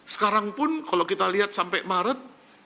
sekarang pun kalau kita lihat sampai maret tiga empat